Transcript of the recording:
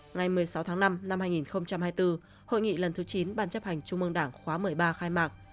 ngày một mươi sáu tháng năm năm hai nghìn hai mươi bốn hội nghị lần thứ chín ban chấp hành trung mương đảng khóa một mươi ba khai mạc